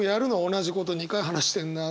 同じこと２回話してんな。